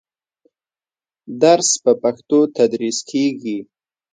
درس په پښتو تدریس کېږي.